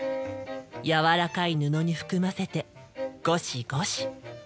柔らかい布に含ませてゴシゴシ。